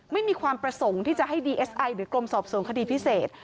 มีความประสงค์ที่จะให้ดีเอสไอหรือกรมสอบสวนคดีพิเศษ